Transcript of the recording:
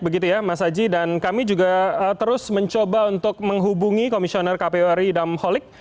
begitu ya mas aji dan kami juga terus mencoba untuk menghubungi komisioner kpu ri idam holik